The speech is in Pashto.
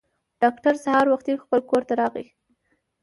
ډاکټر سهار وختي خپل کور ته راغی.